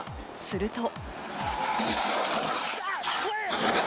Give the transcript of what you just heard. すると。